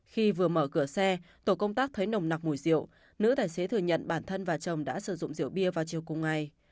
khi vừa mở cửa xe tổ công tác thấy nồng nặc mùi rượu nữ tài xế thừa nhận bản thân và chồng đã sử dụng rượu bia vào chiều cùng ngày